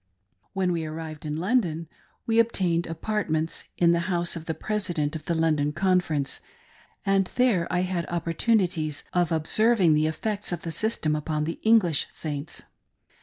When we arrived in London we obtained apartments in the house of the President of the London Conference, and there I had opportunities of observing the effects of the system upon the English Saints.